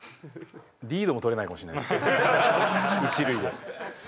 リードも取れないかもしれないです。